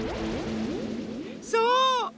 そう！